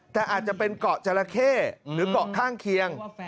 แต่อาจจะเป็นเกาะจราเข้หรือเกาะข้างเคียง